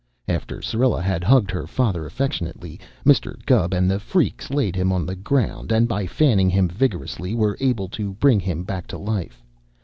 After Syrilla had hugged her father affectionately, Mr. Gubb and the freaks laid him on the ground and, by fanning him vigorously, were able to bring him back to life.